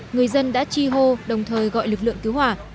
người dân đã chi hô đồng thời gọi lực lượng cứu hỏa